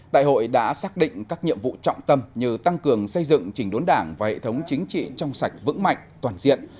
đại hội đã xác định các nhiệm vụ trọng tâm như tăng cường xây dựng chỉnh đốn đảng và hệ thống chính trị trong sạch vững mạnh toàn diện